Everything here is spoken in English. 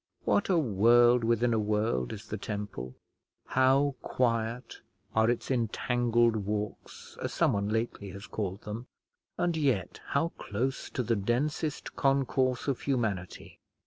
What a world within a world is the Temple! how quiet are its "entangled walks," as someone lately has called them, and yet how close to the densest concourse of humanity!